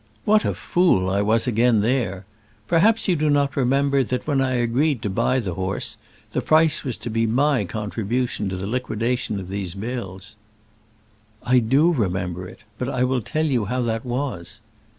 What a fool I was again there. Perhaps you do not remember that, when I agreed to buy the horse, the price was to be my contribution to the liquidation of these bills." "I do remember it; but I will tell you how that was."